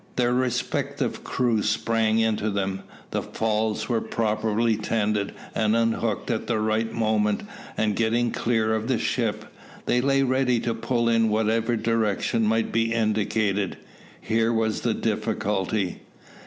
Their respective crews sprang into them. The falls were properly tended and unhooked at the right moment, and, getting clear of the ship, they lay ready to pull in whatever direction might be indicated. Here was the difficulty.